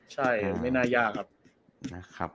ใช่ไม่น่ายากครับ